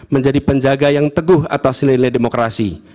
menjadi penjaga yang teguh atas nilai nilai demokrasi